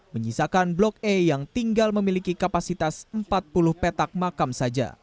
menyisakan blok e yang tinggal memiliki kapasitas empat puluh petak makam saja